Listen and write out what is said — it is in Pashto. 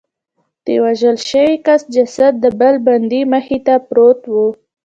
د وژل شوي کس جسد د بل بندي مخې ته پروت و